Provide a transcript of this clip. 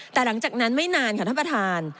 แต่หลังจากนั้นไม่นานค่ะท่านประธาน